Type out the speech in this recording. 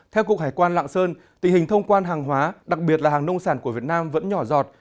theo cục hải quan lạng sơn tình hình thông quan hàng hóa đặc biệt là hàng nông sản của việt nam vẫn nhỏ giọt